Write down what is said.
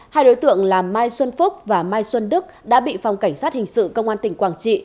hai đối tượng là mai xuân phúc và mai xuân đức đã bị phòng cảnh sát hình sự công an tỉnh quảng trị